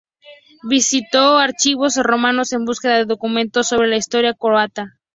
Visitó archivos romanos en búsqueda de documentos sobre la historia croata.